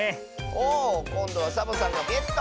おおこんどはサボさんがゲット！